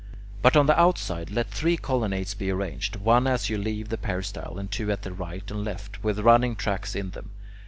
But on the outside, let three colonnades be arranged, one as you leave the peristyle and two at the right and left, with running tracks in them.